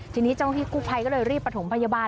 ทีนี้เจ้าหน้าที่กู้ภัยก็เลยรีบประถมพยาบาล